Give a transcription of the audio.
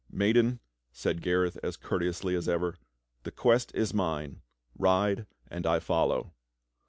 "Maiden," said Gareth as courteously as ever, "the quest is mine. Ride and I follow."